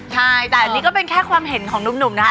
ใช่แต่อันนี้ก็เป็นแค่ความเห็นของหนุ่มนะคะ